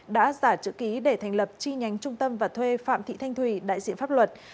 đã giả chữ ký để thành lập chi nhánh trung tâm và thuê phạm thị thanh thùy đại diện pháp luật